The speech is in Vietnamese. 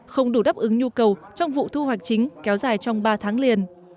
không đủ đáp ứng nhu cầu trong vụ thu hoạch chính kéo dài trong ba tháng liền